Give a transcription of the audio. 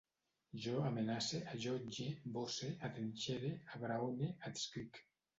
Jo amenace, allotge, boce, atrinxere, abraone, adscric